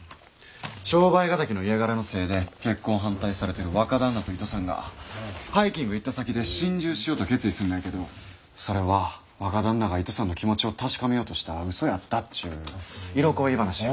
商売敵の家柄のせいで結婚反対されてる若旦那といとさんがハイキング行った先で心中しようと決意すんのやけどそれは若旦那がいとさんの気持ちを確かめようとした嘘やったっちゅう色恋噺や。